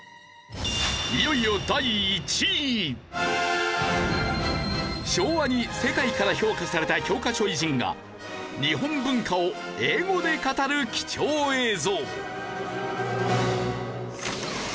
いよいよ昭和に世界から評価された教科書偉人が日本文化を英語で語る貴重映像。